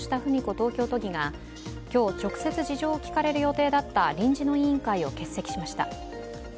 東京都議が今日、直接事情を聞かれる予定だった臨時の委員会を欠席しました。